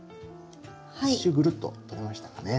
１周ぐるっと取れましたかね。